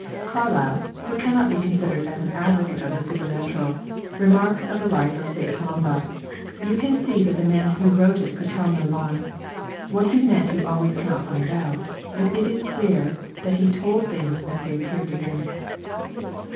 Carlyle, who cannot be considered as an advocate of the supernatural, remarks of the Life of St. Columba: "You can see that the man who wrote it could tell no lie. What he meant you cannot always find out; but it is clear that he told things as they appeared to him."